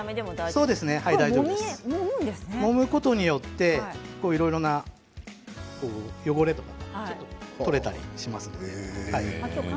もむことによっていろいろな汚れが取れたりしますね。